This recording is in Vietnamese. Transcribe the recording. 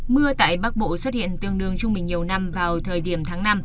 mưa tại bắc bộ xuất hiện tương đương trung bình nhiều năm vào thời điểm tháng năm